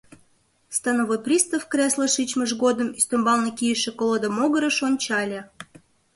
Становой пристав креслыш шичмыж годым ӱстембалне кийыше колода могырыш ончале.